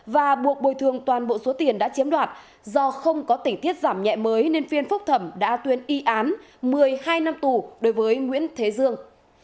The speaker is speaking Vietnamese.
và buộc bồi thường toàn bộ số tiền đã chiếm đoạt do không có tỉnh tiết giảm nhẹ mới nên phiên phúc thẩm đã tuyên y án một mươi hai năm tù đối với nguyễn thế dương